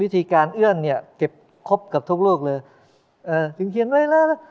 วิธีการเอื้อนเนี่ยเก็บครบกับทุกโลกเลยเอ่อถึงเขียนไว้แล้วนะ